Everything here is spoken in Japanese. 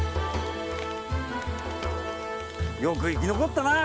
よく生き残ったなあ